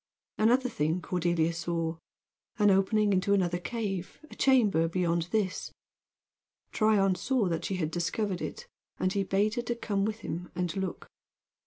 Another thing Cordelia saw: an opening into another cave, a chamber beyond this. Tryon saw that she had discovered it, and he bade her to come with him and look.